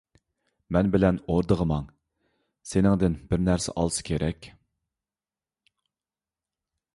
مەن بىلەن ئوردىغا ماڭ، سېنىڭدىن بىر نەرسە ئالسا كېرەك.